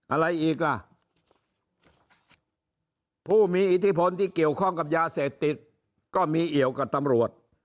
อะไรอีกล่ะผู้มีอิทธิพลที่เกี่ยวข้องกับยาเสพติดก็มีเอี่ยวกับตำรวจ